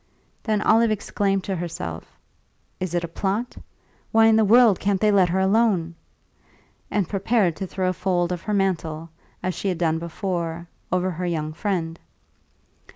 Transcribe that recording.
Then Olive exclaimed to herself, "Is it a plot? Why in the world can't they let her alone?" and prepared to throw a fold of her mantle, as she had done before, over her young friend.